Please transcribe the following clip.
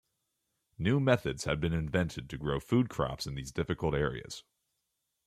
New methods have been invented to grow food crops in these difficult areas.